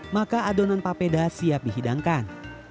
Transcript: maka adonan papeda siap dihidangkan